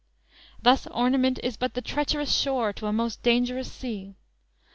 Thus ornament is but the treacherous shore To a most dangerous sea!